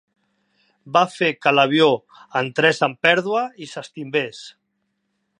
Va fer que l'avió entrés en pèrdua i s'estimbés.